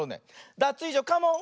ダツイージョカモン！